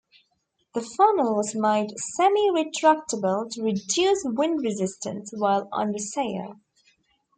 The funnel was made semi-retractable to reduce wind resistance while under sail.